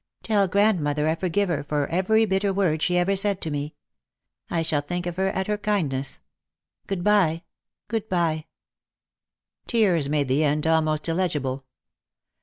Tell grandmother I forgive her for every bitter word she ever said to me. I shall think of her at her kindest. Good bye, good bye." Lost for Love. 217 Tears made the end almost illegible.